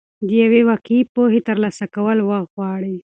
د یوې واقعي پوهې ترلاسه کول وخت غواړي.